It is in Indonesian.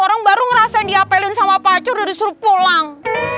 orang baru ngerasain diapelin sama pacar udah disuruh pulang